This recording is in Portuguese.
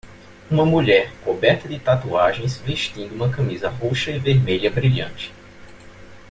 Uma mulher coberta de tatuagens vestindo uma camisa roxa e vermelha brilhante